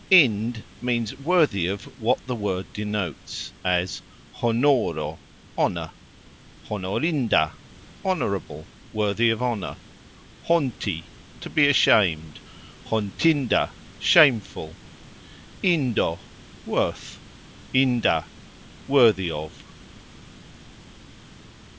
" ind " means "worthy of" what the word denotes, as "Honoro", honour; "honorinda", honourable, worthy of honour; "Honti", to be ashamed; "hontinda", shameful; "Indo", worth; "inda", worthy of.